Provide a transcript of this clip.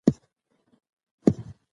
تر هغې اندازې چې ماشوم يې غواړي